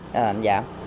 giá thành nó giảm